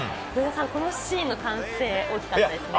このシーンの歓声、大きかったですね。